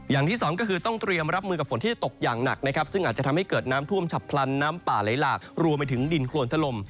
อย่างที่สองก็คือต้องเตรียมรับมือกับฝนที่จะตกอย่างหนักนะครับซึ่งอาจจะทำให้เกิดน้ำท่วมฉับพลันน้ำป่าไหลหลากรวมไปถึงดินโครนถล่ม